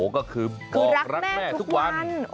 ก็คือบอกรักแม่ทุกวัน